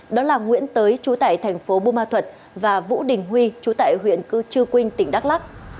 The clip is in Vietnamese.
đó là nguyễn tới chú tại tp bơ ma thuật và vũ đình huy chú tại huyện cư chư quynh tỉnh đắk lắc